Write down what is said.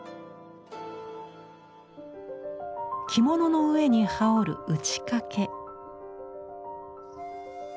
着物の上に羽織る打掛。